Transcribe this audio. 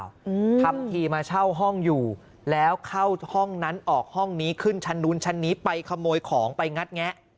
อืมทำทีมาเช่าห้องอยู่แล้วเข้าห้องนั้นออกห้องนี้ขึ้นชั้นนู้นชั้นนี้ไปขโมยของไปงัดแงะ